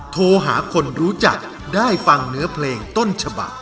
โทรหาคนรู้จักได้ฟังเนื้อเพลงต้นฉบัก